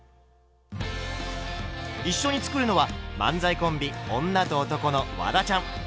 一緒に作るのは漫才コンビ「女と男」のワダちゃん。